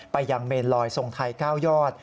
ไปยังเมนลอยทรงไทย๙ยอด